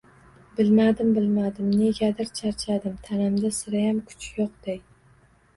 -Bilmadim, bilmadim. Negadir charchadim, tanamda sirayam kuch yo’qday.